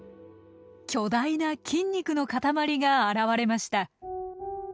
巨大な筋肉の塊が現れました。